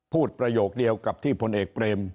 ประโยคเดียวกับที่พลเอกเปรม